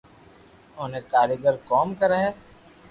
اوتي ڪاريگر ڪوم ڪري ھي